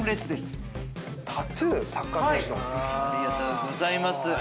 ありがとうございます。